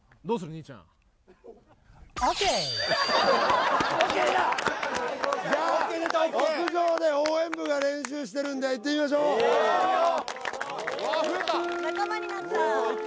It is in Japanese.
兄ちゃんＯＫＯＫ出たじゃあ屋上で応援部が練習してるんで行ってみましょうわあ増えた仲間になった・